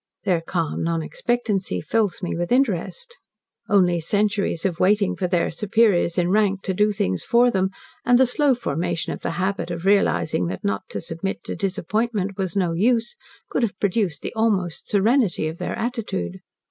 Their calm non expectancy fills me with interest. Only centuries of waiting for their superiors in rank to do things for them, and the slow formation of the habit of realising that not to submit to disappointment was no use, could have produced the almost SERENITY of their attitude.